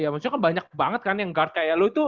maksudnya kan banyak banget kan yang guard kayak lu itu